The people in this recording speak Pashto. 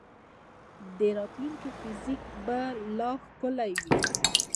د راتلونکي فزیک به لا ښکلی وي.